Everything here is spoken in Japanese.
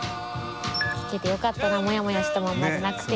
聞けてよかったなモヤモヤしたまんまじゃなくて。